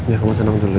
ya kamu tenang dulu ya